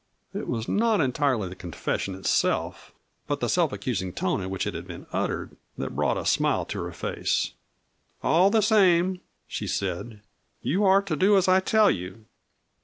It was not entirely the confession itself, but the self accusing tone in which it had been uttered that brought a smile to her face. "All the same," she said, "you are to do as I tell you."